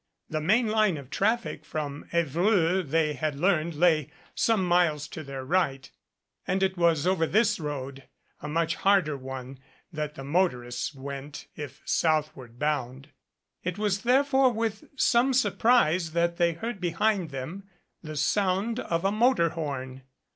The main line of traffic from Evreux, they had learned, lay some miles to their right, and it was over this road, a much harder one, that the motorists went if southward bound. It was therefore with some surprise that they heard be hind them the sound of a motor horn.